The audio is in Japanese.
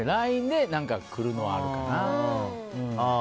ＬＩＮＥで来るのはあるかな。